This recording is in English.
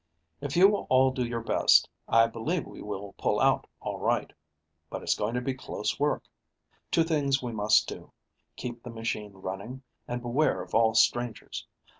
If you will all do your best, I believe we will pull out all right, but it's going to be close work. Two things we must do: keep the machine running, and beware of all strangers.